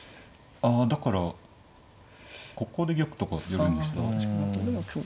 ああだからここで玉とか寄るんでした。